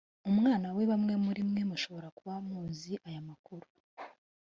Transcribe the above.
umwana we bamwe muri mwe mushobora kuba muzi aya makuru